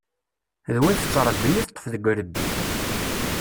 D win tettṛebbi i teṭṭef deg irebbi.